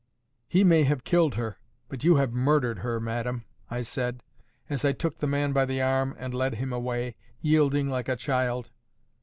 "'He may have killed her; but you have MURDERED her, madam,' I said, as I took the man by the arm, and led him away, yielding like a child.